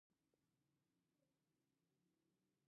د ننګرهار په دور بابا کې د سمنټو مواد شته.